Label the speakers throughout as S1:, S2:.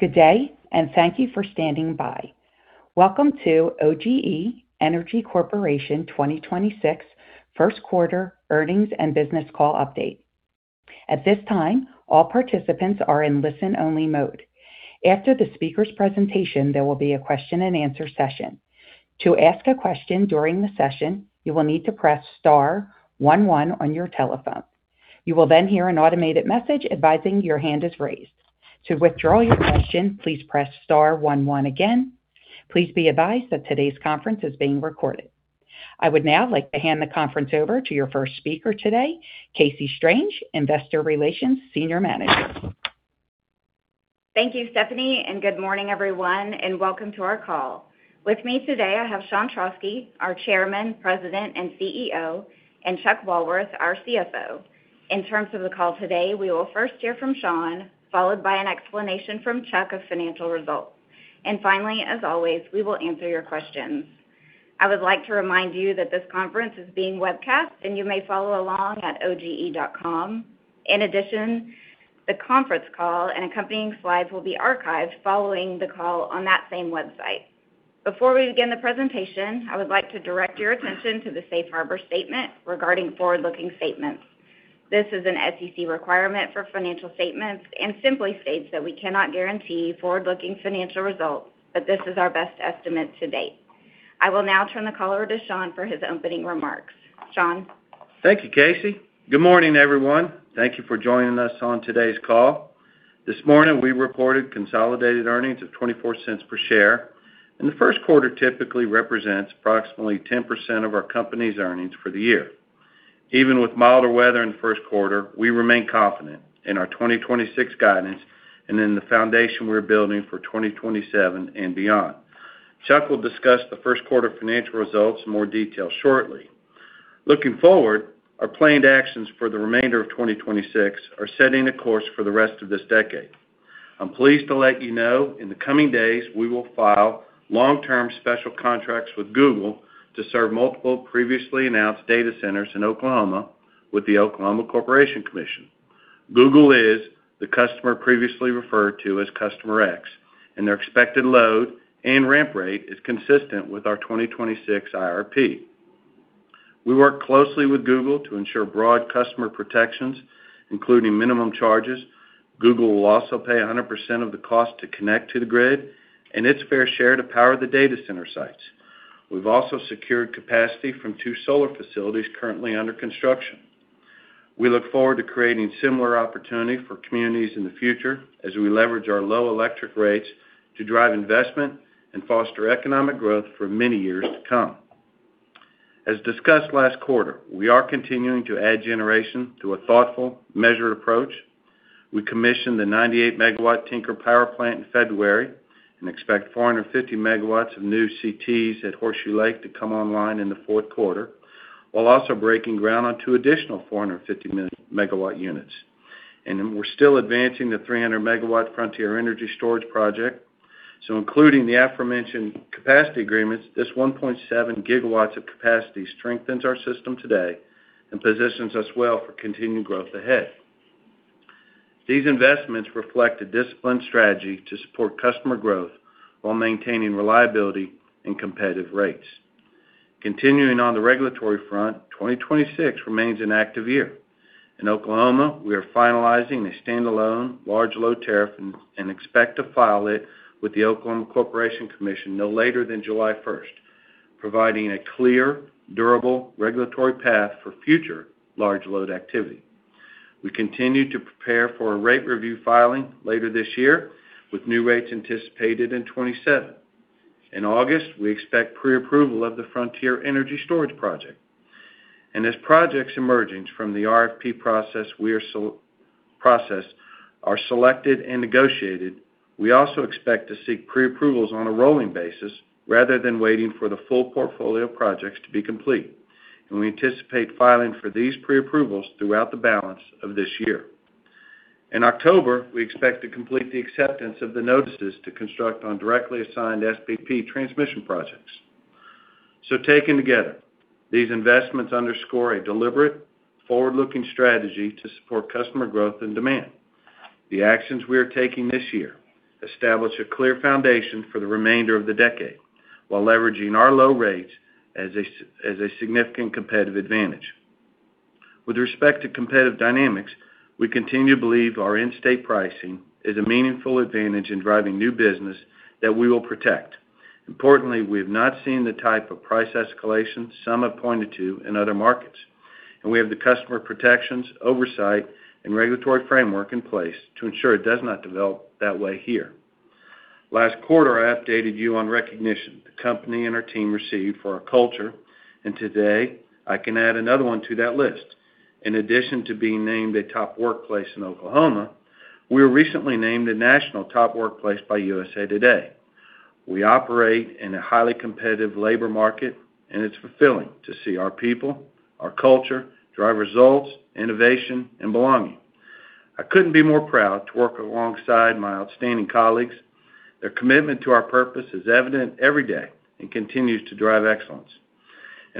S1: Good day, and thank you for standing by. Welcome to OGE Energy Corporation 2026 first quarter earnings and business call update. At this time, all participants are in listen-only mode. After the speaker's presentation, there will be a question-and-answer session. To ask a question during the session, you will need to press star 11 on your telephone. You will then hear an automated message advising your hand is raised. To withdraw your question, please press star 11 again. Please be advised that today's conference is being recorded. I would now like to hand the conference over to your first speaker today, Casey Strange, Investor Relations Senior Manager.
S2: Thank you, Stephanie, and good morning, everyone, and welcome to our call. With me today, I have Sean Trauschke, our Chairman, President, and CEO, and Chuck Walworth, our CFO. In terms of the call today, we will first hear from Sean, followed by an explanation from Chuck of financial results. Finally, as always, we will answer your questions. I would like to remind you that this conference is being webcast, and you may follow along at oge.com. In addition, the conference call and accompanying slides will be archived following the call on that same website. Before we begin the presentation, I would like to direct your attention to the safe harbor statement regarding forward-looking statements. This is an SEC requirement for financial statements and simply states that we cannot guarantee forward-looking financial results, but this is our best estimate to date. I will now turn the call over to Sean for his opening remarks. Sean?
S3: Thank you, Casey. Good morning, everyone. Thank you for joining us on today's call. This morning, we reported consolidated earnings of $0.24 per share. The first quarter typically represents approximately 10% of our company's earnings for the year. Even with milder weather in the first quarter, we remain confident in our 2026 guidance and in the foundation we're building for 2027 and beyond. Chuck will discuss the first quarter financial results in more detail shortly. Looking forward, our planned actions for the remainder of 2026 are setting the course for the rest of this decade. I'm pleased to let you know, in the coming days, we will file long-term special contracts with Google to serve multiple previously announced data centers in Oklahoma with the Oklahoma Corporation Commission. Google is the customer previously referred to as Customer X, and their expected load and ramp rate is consistent with our 2026 IRP. We work closely with Google to ensure broad customer protections, including minimum charges. Google will also pay 100% of the cost to connect to the grid and its fair share to power the data center sites. We've also secured capacity from two solar facilities currently under construction. We look forward to creating similar opportunity for communities in the future as we leverage our low electric rates to drive investment and foster economic growth for many years to come. As discussed last quarter, we are continuing to add generation to a thoughtful, measured approach. We commissioned the 98 MW Tinker power plant in February and expect 450 MW of new CTs at Horseshoe Lake to come online in the fourth quarter, while also breaking ground on two additional 450 MW units. We're still advancing the 300 MW Frontier Energy Storage Project. Including the aforementioned capacity agreements, this 1.7 GW of capacity strengthens our system today and positions us well for continued growth ahead. These investments reflect a disciplined strategy to support customer growth while maintaining reliability and competitive rates. Continuing on the regulatory front, 2026 remains an active year. In Oklahoma, we are finalizing a standalone large load tariff and expect to file it with the Oklahoma Corporation Commission no later than July 1st, providing a clear, durable regulatory path for future large load activity. We continue to prepare for a rate review filing later this year, with new rates anticipated in 2027. In August, we expect pre-approval of the Frontier Energy Storage Project. As projects emerging from the RFP process are selected and negotiated, we also expect to seek pre-approvals on a rolling basis rather than waiting for the full portfolio of projects to be complete. We anticipate filing for these pre-approvals throughout the balance of this year. In October, we expect to complete the acceptance of the notices to construct on directly assigned SPP transmission projects. Taken together, these investments underscore a deliberate, forward-looking strategy to support customer growth and demand. The actions we are taking this year establish a clear foundation for the remainder of the decade while leveraging our low rates as a significant competitive advantage. With respect to competitive dynamics, we continue to believe our in-state pricing is a meaningful advantage in driving new business that we will protect. Importantly, we have not seen the type of price escalation some have pointed to in other markets, and we have the customer protections, oversight, and regulatory framework in place to ensure it does not develop that way here. Last quarter, I updated you on recognition, company and our team received for our culture and today, I can add another one to that list. In addition to being named a top workplace in Oklahoma, we were recently named a national top workplace by USA Today. It's fulfilling to see our people, our culture, drive results, innovation, and belonging. I couldn't be more proud to work alongside my outstanding colleagues. Their commitment to our purpose is evident every day and continues to drive excellence.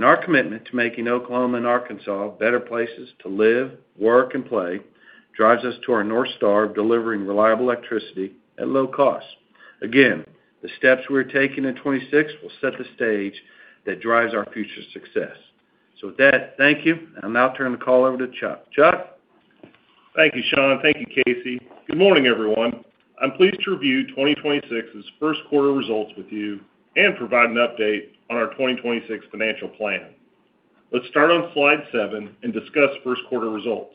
S3: Our commitment to making Oklahoma and Arkansas better places to live, work, and play drives us to our North Star of delivering reliable electricity at low cost. The steps we're taking in 2026 will set the stage that drives our future success. With that, thank you, and I'll now turn the call over to Chuck. Chuck?
S4: Thank you, Sean. Thank you, Casey. Good morning, everyone. I'm pleased to review 2026's first quarter results with you and provide an update on our 2026 financial plan. Let's start on Slide seven and discuss first quarter results.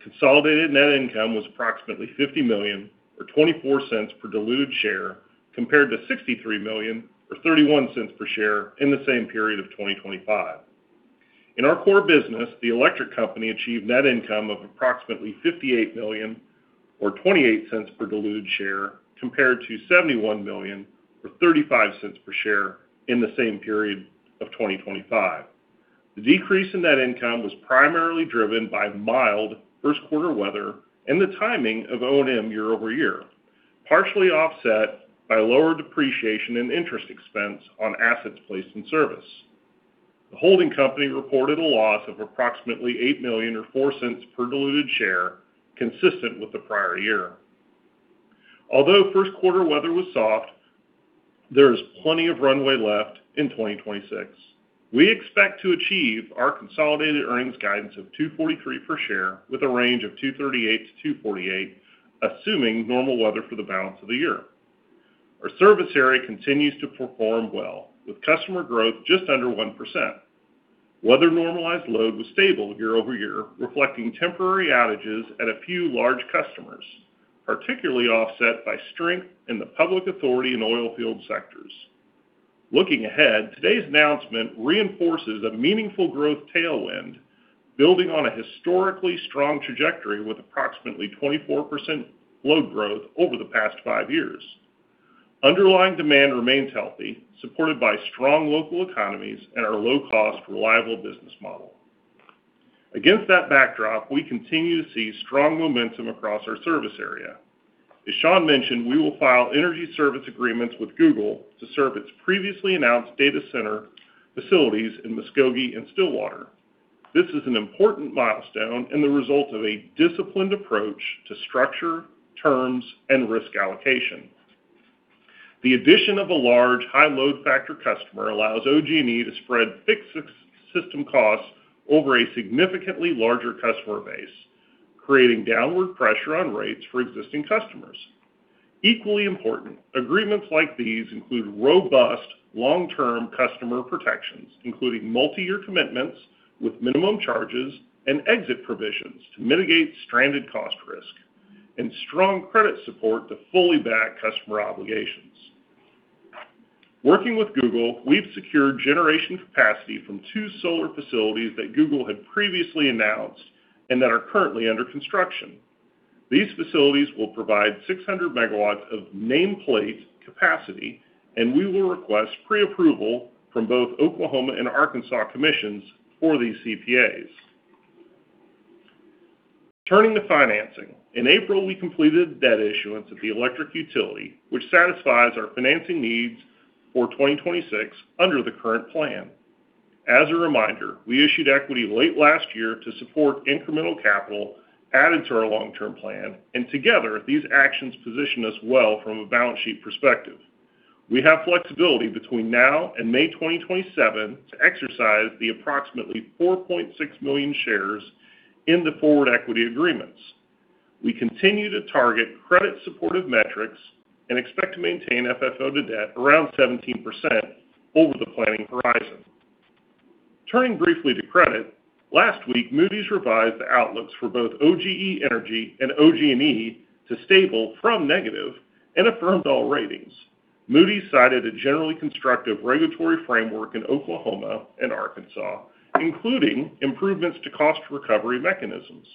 S4: Consolidated net income was approximately $50 million or $0.24 per diluted share compared to $63 million or $0.31 per share in the same period of 2025. In our core business, the electric company achieved net income of approximately $58 million or $0.28 per diluted share compared to $71 million or $0.35 per share in the same period of 2025. The decrease in net income was primarily driven by mild first quarter weather and the timing of O&M year-over-year, partially offset by lower depreciation and interest expense on assets placed in service. The holding company reported a loss of approximately $8 million or $0.04 per diluted share consistent with the prior year. Although first quarter weather was soft, there is plenty of runway left in 2026. We expect to achieve our consolidated earnings guidance of $2.43 per share with a range of $2.38-$2.48, assuming normal weather for the balance of the year. Our service area continues to perform well, with customer growth just under 1%. Weather-normalized load was stable year-over-year, reflecting temporary outages at a few large customers, particularly offset by strength in the public authority and oil field sectors. Looking ahead, today's announcement reinforces a meaningful growth tailwind, building on a historically strong trajectory with approximately 24% load growth over the past five years. Underlying demand remains healthy, supported by strong local economies and our low-cost, reliable business model. Against that backdrop, we continue to see strong momentum across our service area. As Sean mentioned, we will file energy service agreements with Google to serve its previously announced data center facilities in Muskogee and Stillwater. This is an important milestone and the result of a disciplined approach to structure, terms, and risk allocation. The addition of a large, high-load-factor customer allows OG&E to spread fixed system costs over a significantly larger customer base, creating downward pressure on rates for existing customers. Equally important, agreements like these include robust, long-term customer protections, including multiyear commitments with minimum charges and exit provisions to mitigate stranded cost risk and strong credit support to fully back customer obligations. Working with Google, we've secured generation capacity from two solar facilities that Google had previously announced and that are currently under construction. These facilities will provide 600 megawatts of nameplate capacity. We will request pre-approval from both Oklahoma Corporation Commission and Arkansas commissions for these CPAs. Turning to financing, in April, we completed a debt issuance at the electric utility, which satisfies our financing needs for 2026 under the current plan. As a reminder, we issued equity late last year to support incremental capital added to our long-term plan. Together, these actions position us well from a balance sheet perspective. We have flexibility between now and May 2027 to exercise the approximately 4.6 million shares in the forward equity agreements. We continue to target credit-supportive metrics and expect to maintain FFO to debt around 17% over the planning horizon. Turning briefly to credit, last week, Moody's revised the outlooks for both OGE Energy and OG&E to stable from negative and affirmed all ratings. Moody's cited a generally constructive regulatory framework in Oklahoma and Arkansas, including improvements to cost recovery mechanisms.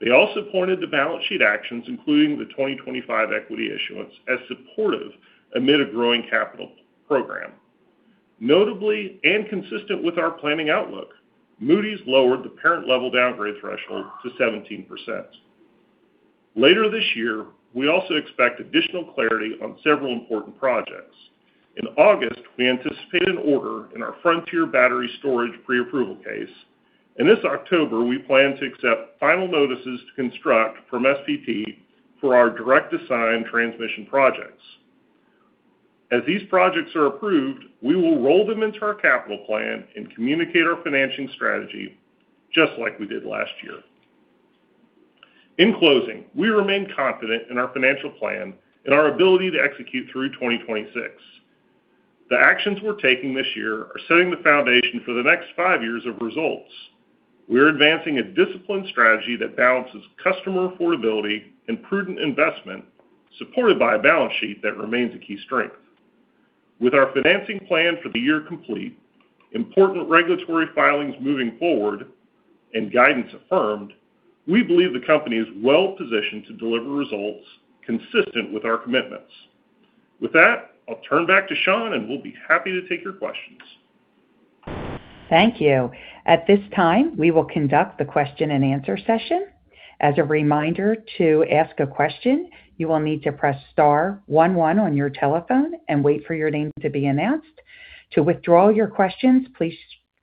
S4: They also pointed to balance sheet actions, including the 2025 equity issuance, as supportive amid a growing capital program. Notably, and consistent with our planning outlook, Moody's lowered the parent level downgrade threshold to 17%. Later this year, we also expect additional clarity on several important projects. In August, we anticipate an order in our Frontier Battery Storage pre-approval case. This October, we plan to accept final notices to construct from SPP for our direct assign transmission projects. As these projects are approved, we will roll them into our capital plan and communicate our financing strategy just like we did last year. In closing, we remain confident in our financial plan and our ability to execute through 2026. The actions we're taking this year are setting the foundation for the next five years of results. We're advancing a disciplined strategy that balances customer affordability and prudent investment, supported by a balance sheet that remains a key strength. With our financing plan for the year complete, important regulatory filings moving forward, and guidance affirmed, we believe the company is well-positioned to deliver results consistent with our commitments. With that, I'll turn back to Sean, and we'll be happy to take your questions.
S1: Thank you. At this time, we will conduct the question-and-answer session. As a reminder, to ask a question, you will need to press star one one on your telephone and wait for your name to be announced. To withdraw your questions, please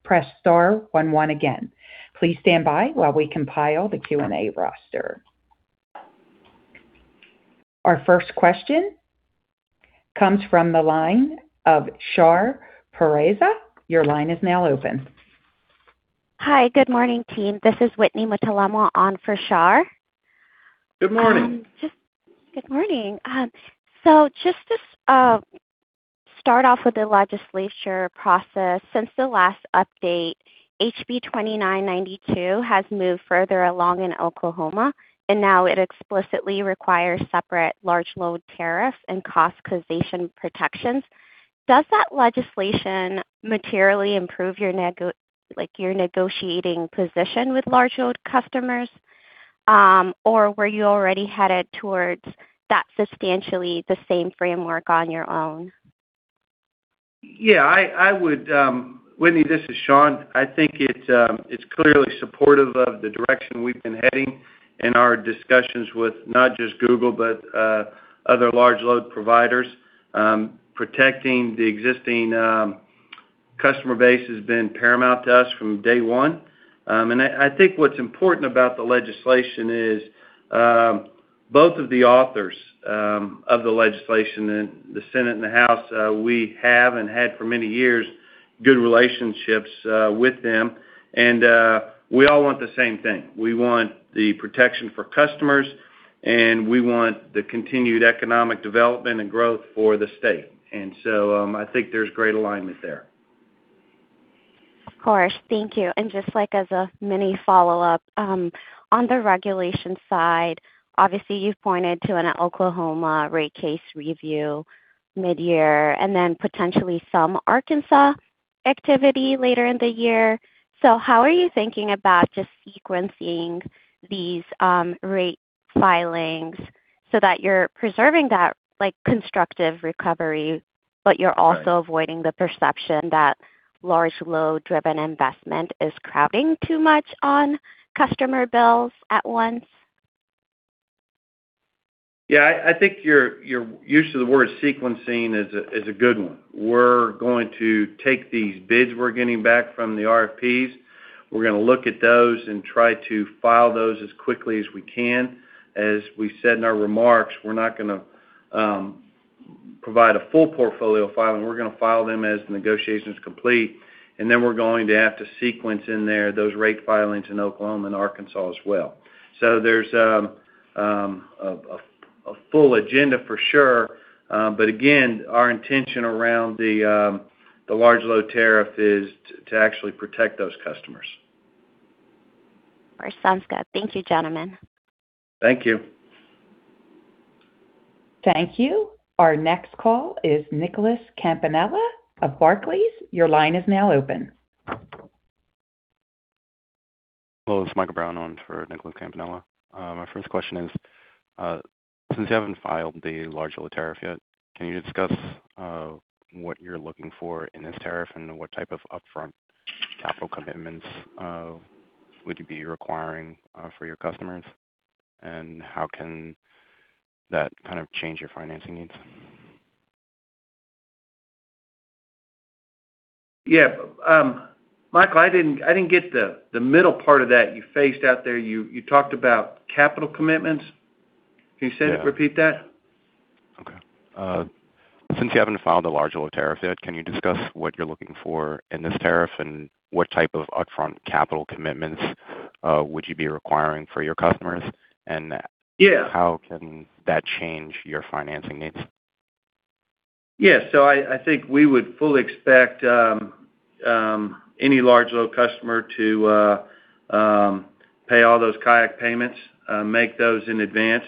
S1: press star one one again. Please standby while we compile our Q&A roster. Our first question comes from the line of Shar Pourreza.
S5: Hi. Good morning, team. This is Whitney Mutalemwa on for Shar.
S4: Good morning.
S5: Good morning. Just to start off with the legislature process. Since the last update, HB 2992 has moved further along in Oklahoma. Now it explicitly requires separate large load tariff and cost causation protections. Does that legislation materially improve your negotiating position with large load customers, or were you already headed towards that substantially the same framework on your own?
S3: Whitney, this is Sean. I think it's clearly supportive of the direction we've been heading in our discussions with not just Google, but other large load providers. Protecting the existing customer base has been paramount to us from day one. I think what's important about the legislation is both of the authors of the legislation in the Senate and the House, we have and had for many years good relationships with them. We all want the same thing. We want the protection for customers, and we want the continued economic development and growth for the state. I think there's great alignment there.
S5: Of course. Thank you. Just, like, as a mini follow-up, on the regulation side, obviously, you've pointed to an Oklahoma rate case review midyear and then potentially some Arkansas activity later in the year. How are you thinking about just sequencing these rate filings so that you're preserving that, like, constructive recovery? You're also avoiding the perception that large load-driven investment is crowding too much on customer bills at once?
S3: Yeah, I think your use of the word sequencing is a good one. We're going to take these bids we're getting back from the RFPs. We're going to look at those and try to file those as quickly as we can. As we said in our remarks, we're not going to provide a full portfolio filing. We're going to file them as negotiations complete, and then we're going to have to sequence in there those rate filings in Oklahoma and Arkansas as well. There's a full agenda for sure. Again, our intention around the large load tariff is to actually protect those customers.
S5: All right, sounds good. Thank you, gentlemen.
S3: Thank you.
S1: Thank you. Our next call is Nicholas Campanella of Barclays. Your line is now open.
S6: Well, it's Michael Brown on for Nicholas Campanella. My first question is, since you haven't filed the large load tariff yet, can you discuss what you're looking for in this tariff and what type of upfront capital commitments would you be requiring for your customers? How can that kind of change your financing needs?
S3: Yeah. Michael, I didn't get the middle part of that. You phased out there. You talked about capital commitments. Can you repeat that?
S6: Since you haven't filed a large load tariff yet, can you discuss what you're looking for in this tariff and what type of upfront capital commitments would you be requiring for your customers. How can that change your financing needs?
S3: Yeah. I think we would fully expect any large load customer to pay all those CIAC payments, make those in advance.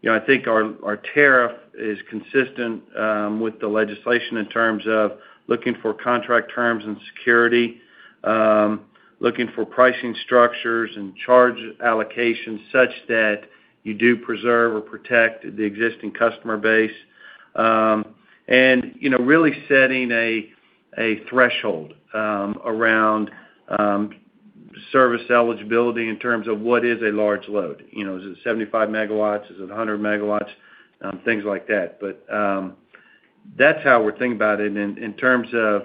S3: You know, I think our tariff is consistent with the legislation in terms of looking for contract terms and security, looking for pricing structures and charge allocations such that you do preserve or protect the existing customer base. You know, really setting a threshold around service eligibility in terms of what is a large load. You know, is it 75 MW? Is it 100 MW? Things like that. That's how we're thinking about it. In terms of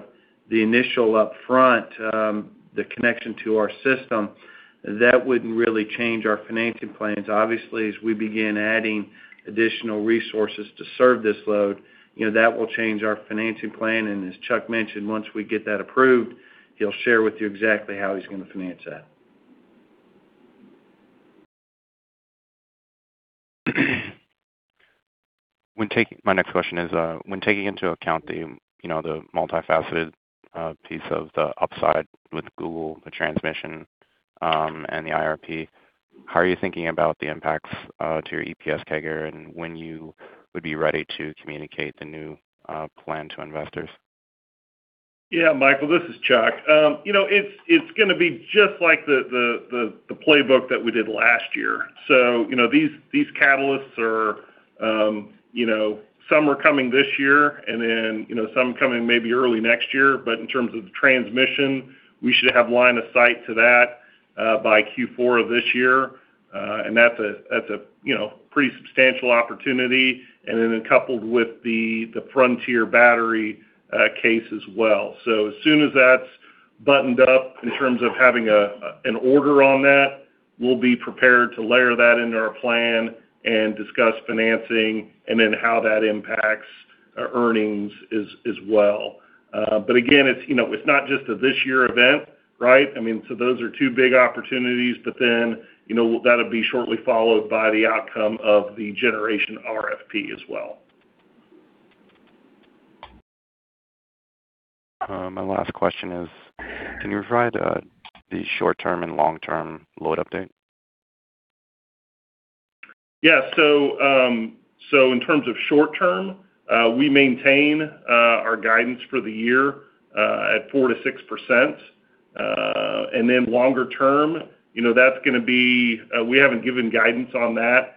S3: the initial upfront, the connection to our system, that wouldn't really change our financing plans. Obviously, as we begin adding additional resources to serve this load, you know, that will change our financing plan. As Chuck mentioned, once we get that approved, he'll share with you exactly how he's going to finance that.
S6: My next question is, when taking into account the, you know, the multifaceted piece of the upside with Google, the transmission and the IRP, how are you thinking about the impacts to your EPS CAGR and when you would be ready to communicate the new plan to investors?
S4: Yeah, Michael, this is Chuck. You know, it's gonna be just like the playbook that we did last year. You know, these catalysts are, you know, some are coming this year and then, you know, some coming maybe early next year. In terms of the transmission, we should have line of sight to that by Q4 of this year, and that's a, that's a, you know, pretty substantial opportunity. Coupled with the Frontier battery case as well. As soon as that's buttoned up in terms of having an order on that, we'll be prepared to layer that into our plan and discuss financing and then how that impacts our earnings as well. Again, it's, you know, it's not just a this year event, right? I mean, so those are two big opportunities, but then, you know, that'll be shortly followed by the outcome of the generation RFP as well.
S6: My last question is, can you provide the short-term and long-term load update?
S4: Yeah. In terms of short term, we maintain our guidance for the year at 4%-6%. Longer term, you know, we haven't given guidance on that.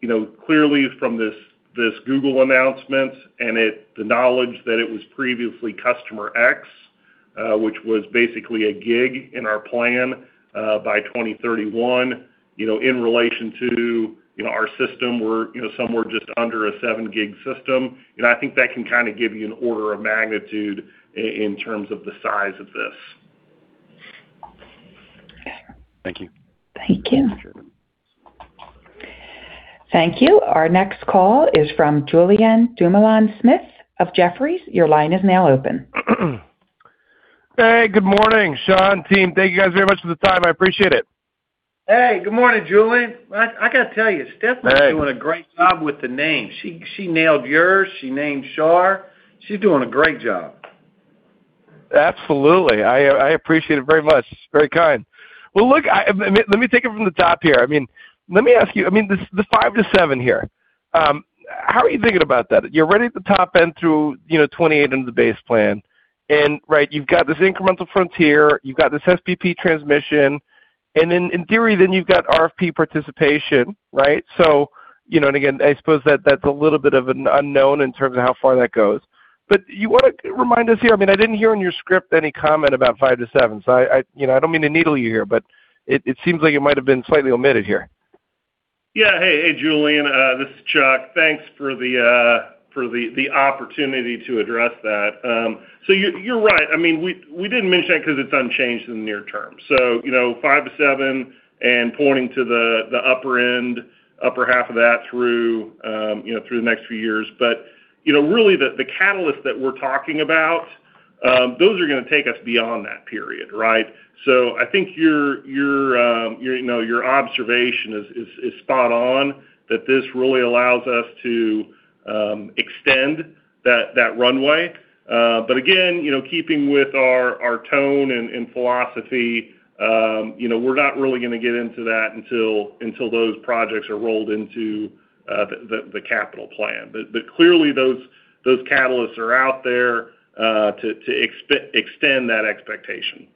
S4: You know, clearly from this Google announcement and the knowledge that it was previously Customer X, which was basically a gig in our plan by 2031, you know, in relation to, you know, our system were, you know, somewhere just under a 7 gig system. You know, I think that can kind of give you an order of magnitude in terms of the size of this.
S6: Thank you.
S1: Thank you. Thank you. Our next call is from Julien Dumoulin-Smith of Jefferies. Your line is now open.
S7: Hey, good morning, Sean, team. Thank you guys very much for the time. I appreciate it.
S3: Hey, good morning, Julien. I gotta tell you, Steph is doing a great job with the names. She nailed yours. She named Shar. She's doing a great job.
S7: Absolutely. I appreciate it very much. It's very kind. Well, look, let me take it from the top here. I mean, let me ask you, I mean, the five to sevenhere, how are you thinking about that? You're ready at the top end through, you know, 2028 into the base plan and, right, you've got this incremental Frontier, you've got this SPP transmission, and then in theory, then you've got RFP participation, right? You know, and again, I suppose that that's a little bit of an unknown in terms of how far that goes. You wanna remind us here, I mean, I didn't hear in your script any comment about five to seven, you know, I don't mean to needle you here, but it seems like it might have been slightly omitted here.
S4: Yeah. Hey, hey, Julien. This is Chuck. Thanks for the opportunity to address that. You're right. I mean, we didn't mention that 'cause it's unchanged in the near term. You know, five toseven and pointing to the upper end, upper half of that through, you know, through the next few years. You know, really the catalyst that we're talking about, those are gonna take us beyond that period, right? I think your, you know, your observation is spot on, that this really allows us to extend that runway. Again, you know, keeping with our tone and philosophy, you know, we're not really gonna get into that until those projects are rolled into the capital plan. Clearly those catalysts are out there to extend that expectation.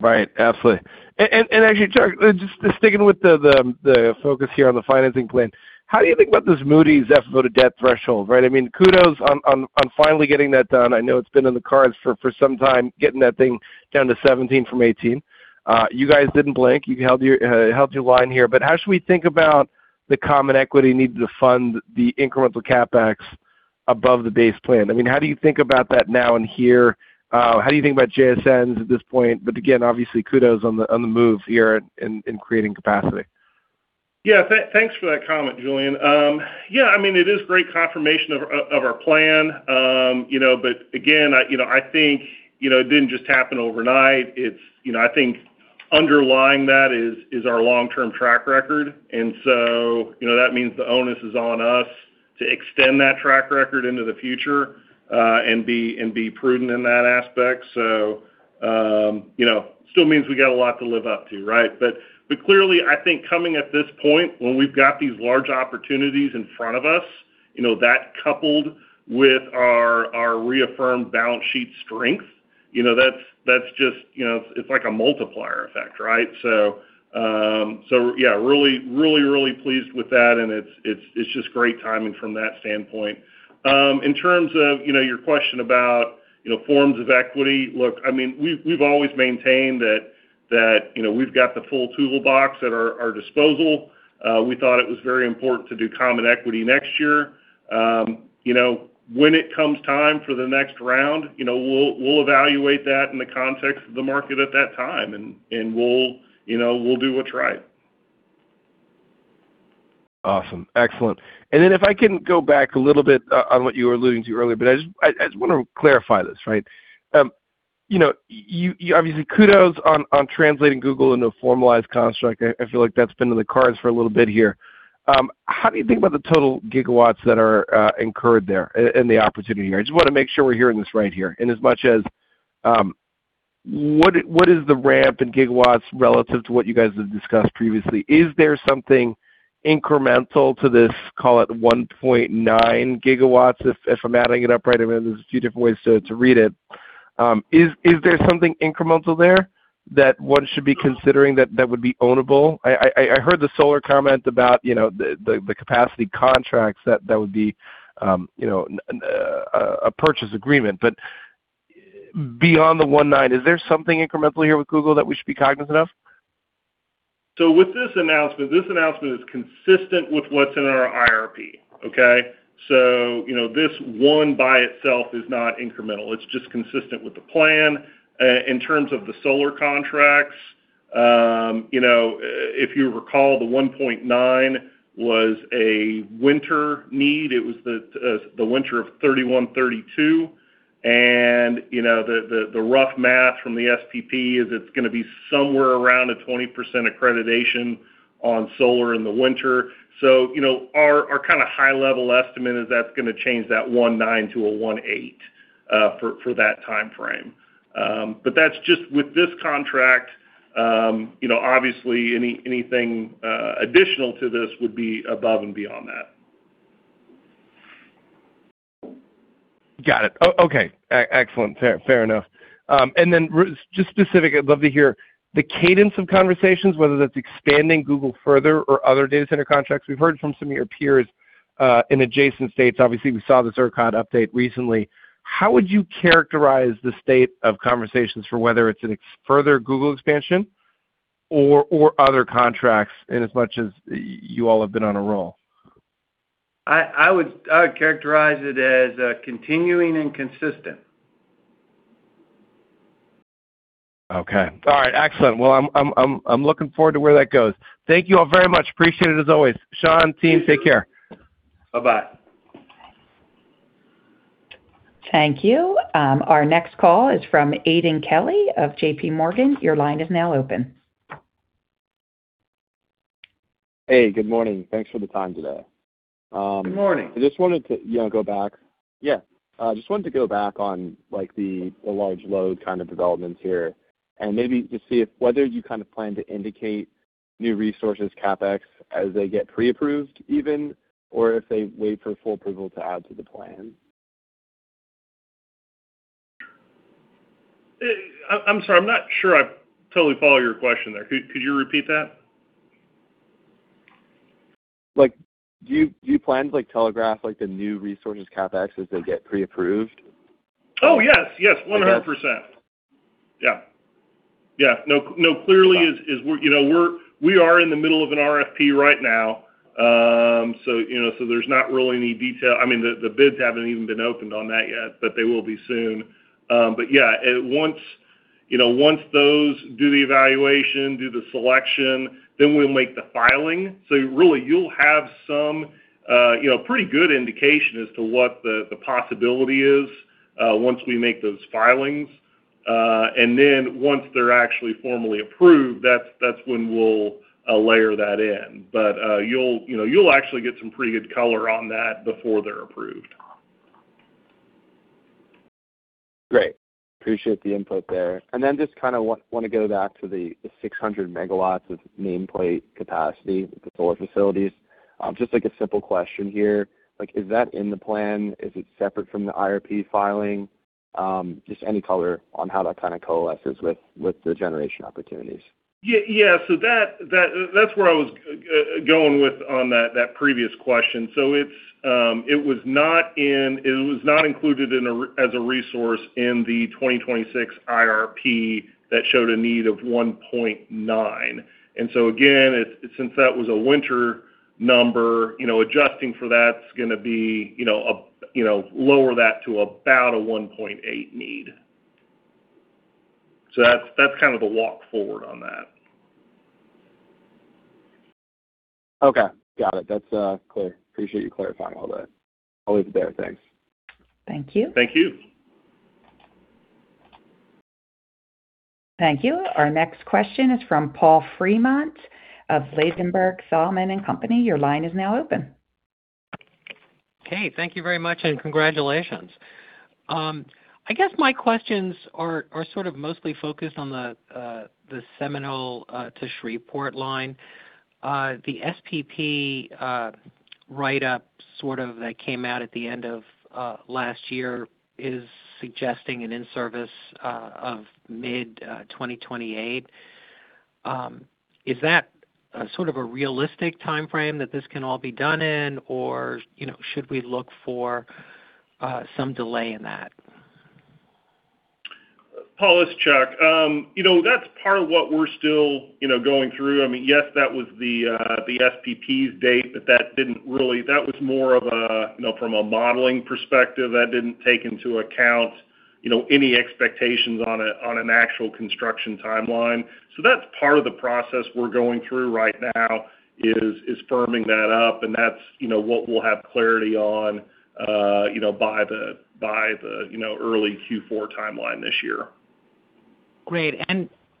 S7: Right. Absolutely. Actually, Chuck, just sticking with the focus here on the financing plan, how do you think about this Moody's FFO to debt threshold? I mean kudos on finally getting that done. I know it's been in the cards for some time, getting that thing down to 17 from 18. You guys didn't blink. You held your line here. How should we think about the common equity needed to fund the incremental CapEx above the base plan? I mean, how do you think about that now and here? How do you think about [JSNs] at this point? Again, obviously, kudos on the move here in creating capacity.
S4: Thanks for that comment, Julien. I mean, it is great confirmation of our plan. You know, again, I think, it didn't just happen overnight. It's, you know, I think underlying that is our long-term track record. You know, that means the onus is on us to extend that track record into the future, and be prudent in that aspect. You know, still means we got a lot to live up to, right? Clearly, I think coming at this point when we've got these large opportunities in front of us, you know, that coupled with our reaffirmed balance sheet strength, you know, that's just, you know, it's like a multiplier effect, right? Yeah, really pleased with that, and it's just great timing from that standpoint. In terms of, you know, your question about, you know, forms of equity, look, I mean, we've always maintained that, you know, we've got the full toolbox at our disposal. We thought it was very important to do common equity next year. You know, when it comes time for the next round, you know, we'll evaluate that in the context of the market at that time, and we'll do what's right.
S7: Awesome. Excellent. Then if I can go back a little bit on what you were alluding to earlier, I just wanna clarify this, right? You know, you obviously kudos on translating Google into a formalized construct. I feel like that's been in the cards for a little bit here. How do you think about the total gigawatts that are incurred there in the opportunity here? I just wanna make sure we're hearing this right here. As much as what is the ramp in gigawatts relative to what you guys have discussed previously? Is there something incremental to this, call it 1.9 GW, if I'm adding it up right? I mean, there's a few different ways to read it. Is there something incremental there that one should be considering that would be ownable? I heard the solar comment about, you know, the capacity contracts that would be, you know, a purchase agreement. Beyond the 1.9 GW, is there something incremental here with Google that we should be cognizant of?
S4: With this announcement, this announcement is consistent with what's in our IRP, okay? You know, this one by itself is not incremental. It's just consistent with the plan. In terms of the solar contracts, you know, if you recall, the 1.9 GW was a winter need. It was the winter of 2031, 2032. You know, the rough math from the SPP is it's gonna be somewhere around a 20% accreditation on solar in the winter. You know, our kinda high-level estimate is that's gonna change that 1.9 GW to a 1.8 GW for that timeframe. That's just with this contract. You know, obviously anything additional to this would be above and beyond that.
S7: Got it. Okay. Excellent. Fair enough. Just specific, I'd love to hear the cadence of conversations, whether that's expanding Google further or other data center contracts. We've heard from some of your peers in adjacent states. Obviously, we saw the Suncor update recently. How would you characterize the state of conversations for whether it's further Google expansion or other contracts in as much as you all have been on a roll?
S3: I would characterize it as continuing and consistent.
S7: Okay. All right. Excellent. Well, I'm looking forward to where that goes. Thank you all very much. Appreciate it as always. Sean, team, take care.
S3: Bye-bye.
S1: Thank you. Our next call is from Aidan Kelly of JPMorgan. Your line is now open.
S8: Hey, good morning. Thanks for the time today.
S3: Good morning.
S8: I just wanted to, you know, go back. Yeah. Just wanted to go back on, like, the large load kind of developments here, and maybe just see if whether you kind of plan to indicate new resources CapEx as they get pre-approved even, or if they wait for full approval to add to the plan.
S4: I'm sorry. I'm not sure I totally follow your question there. Could you repeat that?
S8: Like, do you plan to, like, telegraph, like, the new resources CapEx as they get pre-approved?
S4: Oh, yes. Yes, 100%. Yeah. Yeah. No, no, clearly is. You know, we are in the middle of an RFP right now. You know, there's not really any detail. I mean, the bids haven't even been opened on that yet, but they will be soon. Yeah, once, you know, once those do the evaluation, do the selection, then we'll make the filing. Really you'll have some, you know, pretty good indication as to what the possibility is, once we make those filings. Once they're actually formally approved, that's when we'll layer that in. You'll, you know, you'll actually get some pretty good color on that before they're approved.
S8: Great. Appreciate the input there. Then just kinda wanna go back to the 600 MW of nameplate capacity with the solar facilities. Just like a simple question here. Like, is that in the plan? Is it separate from the IRP filing? Just any color on how that kind of coalesces with the generation opportunities.
S4: Yeah, that's where I was going with on that previous question. It was not included as a resource in the 2026 IRP that showed a need of 1.9 GW. Again, since that was a winter number, you know, adjusting for that's gonna be, you know, a, you know, lower that to about a 1.8 GW need. That's kind of the walk forward on that.
S8: Okay. Got it. That's clear. Appreciate you clarifying all that. I'll leave it there. Thanks.
S1: Thank you.
S4: Thank you.
S1: Thank you. Our next question is from Paul Fremont of Ladenburg Thalmann & Co. Your line is now open.
S9: Okay. Thank you very much, and congratulations. I guess my questions are sort of mostly focused on the Seminole to Shreveport line. The SPP write-up sort of that came out at the end of last year is suggesting an in-service of mid-2028. Is that sort of a realistic timeframe that this can all be done in, or, you know, should we look for some delay in that?
S4: Paul, it's Chuck. You know, that's part of what we're still, you know, going through. I mean, yes, that was the SPP's date. That was more of a, you know, from a modeling perspective. That didn't take into account, you know, any expectations on a, on an actual construction timeline. That's part of the process we're going through right now, is firming that up. That's, you know, what we'll have clarity on, you know, by the, you know, early Q4 timeline this year.
S9: Great.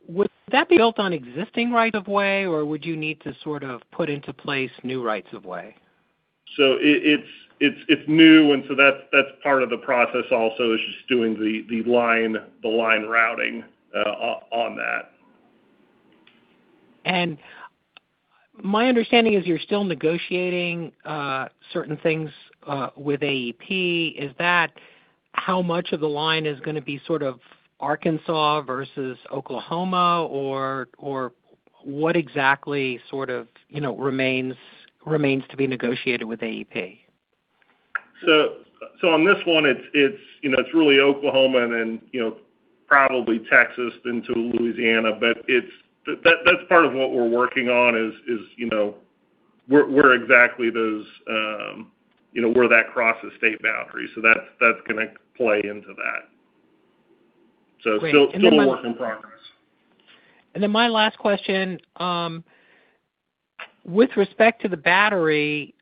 S9: Would that be built on existing right of way, or would you need to sort of put into place new rights of way?
S4: It's new. That's part of the process also, is just doing the line routing on that.
S9: My understanding is you're still negotiating certain things with AEP. Is that how much of the line is gonna be sort of Arkansas versus Oklahoma? What exactly sort of, you know, remains to be negotiated with AEP?
S4: On this one, it's, you know, it's really Oklahoma and then, you know, probably Texas into Louisiana. But it's that's part of what we're working on is, you know, where exactly those, you know, where that crosses state boundaries. That's, that's gonna play into that. Still a work in progress.
S9: My last question, with respect to the battery,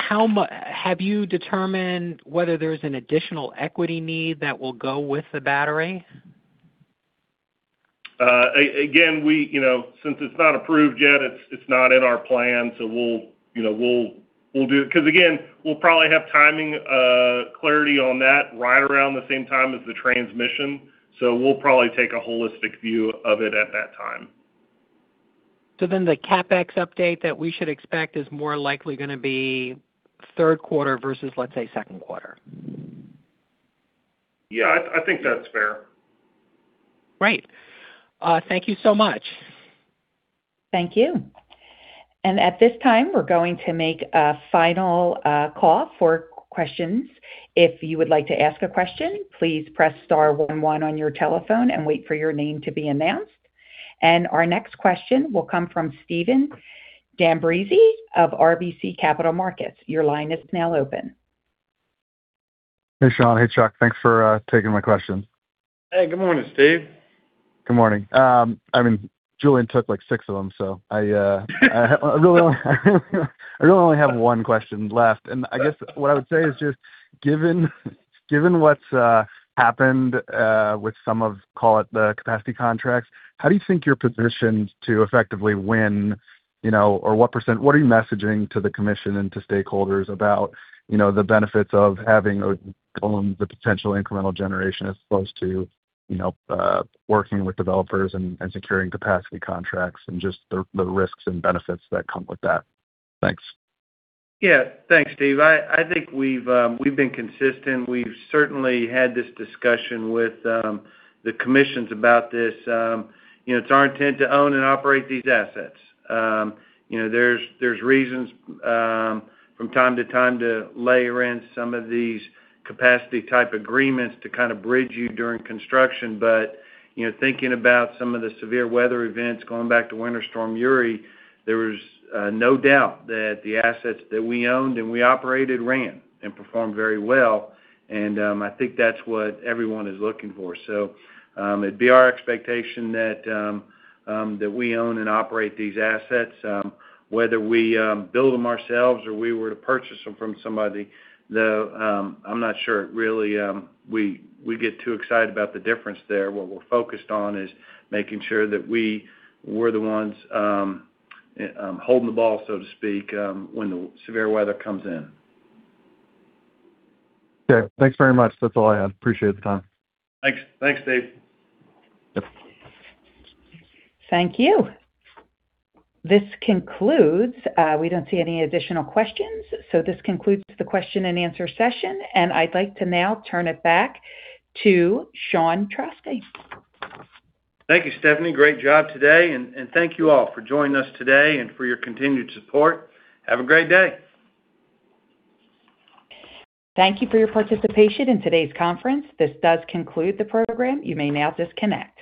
S9: have you determined whether there's an additional equity need that will go with the battery?
S4: Again, we, you know, since it's not approved yet, it's not in our plan, so we'll, you know, we'll do 'cause again, we'll probably have timing clarity on that right around the same time as the transmission. We'll probably take a holistic view of it at that time.
S9: The CapEx update that we should expect is more likely going to be third quarter versus, let's say, second quarter.
S4: Yeah. I think that's fair.
S9: Great. Thank you so much.
S1: Thank you. At this time, we're going to make a final call for questions. If you would like to ask a question, please press star one one on your telephone and wait for your name to be announced. Our next question will come from Stephen D'Ambrisi of RBC Capital Markets. Your line is now open.
S10: Hey, Sean. Hey, Chuck. Thanks for taking my questions.
S3: Hey, good morning, Steve.
S10: Good morning. I mean, Julien took like six of them, so I only have one question left. I guess what I would say is just given what's happened with some of, call it the capacity contracts, how do you think you're positioned to effectively win or what are you messaging to the commission and to stakeholders about the benefits of having or own the potential incremental generation as opposed to working with developers and securing capacity contracts and just the risks and benefits that come with that? Thanks.
S3: Thanks, Steve. I think we've been consistent. We've certainly had this discussion with the commissions about this. You know, it's our intent to own and operate these assets. You know, there's reasons from time to time to layer in some of these capacity type agreements to kind of bridge you during construction. You know, thinking about some of the severe weather events going back to Winter Storm Uri, there was no doubt that the assets that we owned and we operated ran and performed very well. I think that's what everyone is looking for. It'd be our expectation that we own and operate these assets, whether we build them ourselves or we were to purchase them from somebody. I'm not sure it really, we get too excited about the difference there. What we're focused on is making sure that we're the ones holding the ball, so to speak, when the severe weather comes in.
S10: Okay. Thanks very much. That's all I had. Appreciate the time.
S3: Thanks. Thanks, Steve.
S10: Yep.
S1: Thank you. We don't see any additional questions. This concludes the question and answer session. I'd like to now turn it back to Sean Trauschke.
S3: Thank you, Stephanie. Great job today. Thank you all for joining us today and for your continued support. Have a great day.
S1: Thank you for your participation in today's conference. This does conclude the program. You may now disconnect.